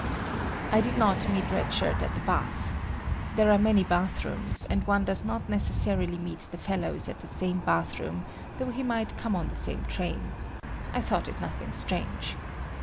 I did not meet Red Shirt at the bath. There are many bath rooms, and one does not necessarily meet the fellows at the same bath room though he might come on the same train. I thought it nothing strange.